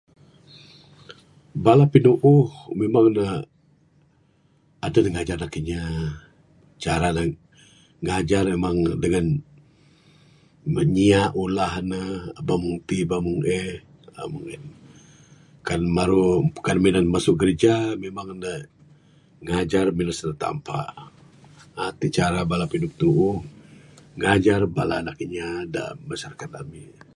Bala piduuh memang ne, edeh de ngajar nak kinya, cara ne, ngajar memang dengan, mengiak ulah ne, ebak mung tik eba mung eh, uhh mung en.., kan maru pakai minan mesu gereja, memang ne, ngajar minan su tampa. Ah, tik cara bala pituuh, ngajar bala nak kinya de masyarakat abih.